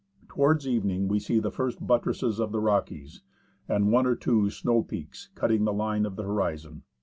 Towards evening, we see the first buttresses of the Rockies, and one or two snow peaks cutting the line of the horizon.